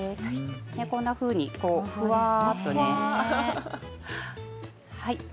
こんなふうに、ふわっとね。